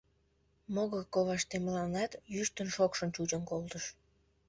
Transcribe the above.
Могыр коваштемланат йӱштын-шокшын чучын колтыш.